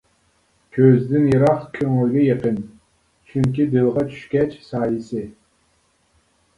كۆزدىن يىراق، كۆڭۈلگە يېقىن، چۈنكى دىلغا چۈشكەچ سايىسى.